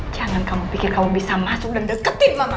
jangan kamu pikir kamu bisa masuk dan deketin mama